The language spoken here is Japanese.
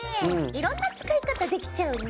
いろんな使い方できちゃうね。